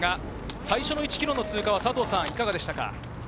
最初の１ｋｍの通過はいかがでしたか？